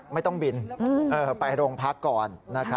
ไม่ต้องบินไปโรงพักก่อน